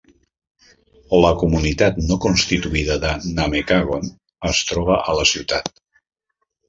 La comunitat no constituïda de Namekagon es troba a la ciutat.